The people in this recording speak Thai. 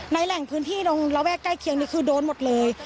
แหล่งพื้นที่ตรงระแวกใกล้เคียงนี่คือโดนหมดเลย